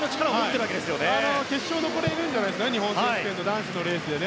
決勝残れるんじゃないですか日本選手権男子のレース。